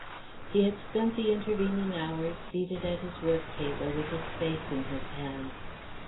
He had spent the intervening hours seated at his work table with his face in his hands.